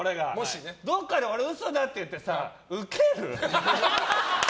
どこかで俺嘘だって言ってウケる？